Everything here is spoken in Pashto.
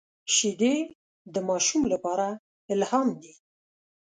شیدې د ماشوم لپاره الهام دي